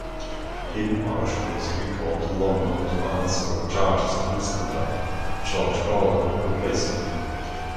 Hindmarsh was recalled to London to answer charges of misconduct, George Gawler replacing him.